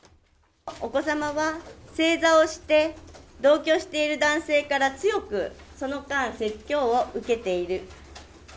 お子様が正座をして、同居している男性から強く、その間、説教を受けている。